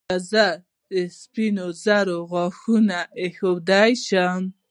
ایا زه د سپینو زرو غاښ ایښودلی شم؟